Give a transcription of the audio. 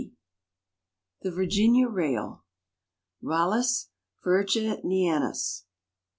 _ THE VIRGINIA RAIL. (_Rallus virginianus.